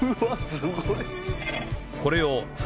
すごい。